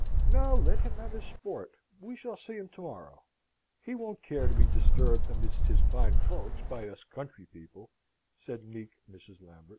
"No, let him have his sport. We shall see him to morrow. He won't care to be disturbed amidst his fine folks by us country people," said meek Mrs. Lambert.